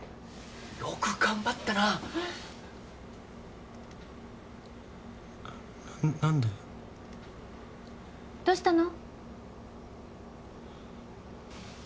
よく頑張ったなうんななんでどうしたの？